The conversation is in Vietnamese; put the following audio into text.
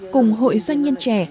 cùng hội doanh nhân trẻ